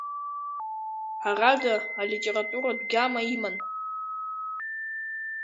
Ҳәарада, алитературатә гьама иман.